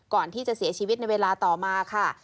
ก่อนที่จะเสียชีวิตในเวลาต่อมาค่ะ